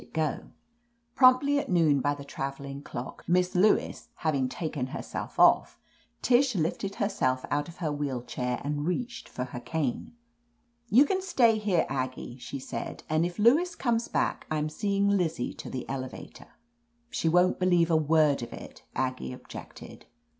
40 OF LETITIA CARBERRY Promptly at noon by the traveling clock, Miss Lewis having taken herself off, Tish lifted herself out of her wheel chair and reached for hero ^^^ "You can stay here, Aggie," she said, "and if Lewis comes back, I'm seeing Lizzie to the elevator." "She won't believe a word of it," Aggie objected.